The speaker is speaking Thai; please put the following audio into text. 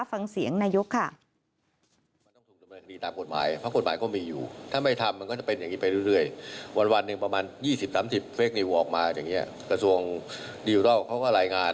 ฟังเสียงนายกค่ะ